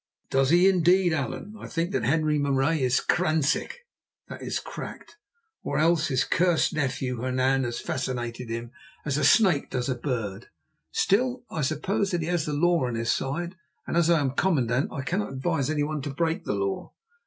"Does he indeed, Allan? I think that Henri Marais is 'kransick' (that is, cracked), or else his cursed nephew, Hernan, has fascinated him, as a snake does a bird. Still, I suppose that he has the law on his side, and, as I am commandant, I cannot advise anyone to break the law.